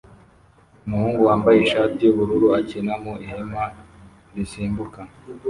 Umuhungu wambaye ishati yubururu akina mu ihema risimbuka